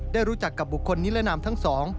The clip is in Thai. ได้รู้จักกับบุคคลนิรนามทั้งสอง